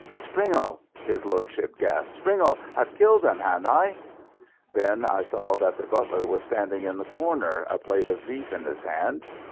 "Springle," his lordship gasped. "Springle, I've killed him, ha'n't I?" Then I saw that the butler was standing in the corner, a plate of beef in his hand.